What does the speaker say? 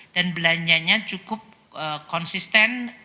dan belanjanya cukup konsisten